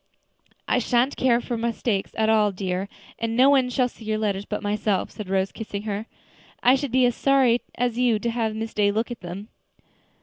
"I sha'n't care for mistakes at all, dear, and no one shall see your letters but myself," said Rose, kissing her. "I should be as sorry as you to have Miss Day look at them."